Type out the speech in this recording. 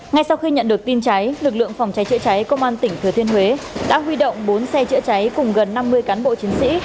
ngay sau khi nhận được tin cháy lực lượng phòng cháy chữa cháy công an tỉnh thừa thiên huế đã huy động bốn xe chữa cháy cùng gần năm mươi cán bộ chiến sĩ